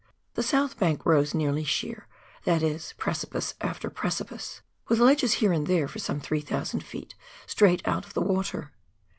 The south bank rose nearly sheer, that is precipice after precipice, with ledges here and there, for some 3,000 ft., straight out of the water.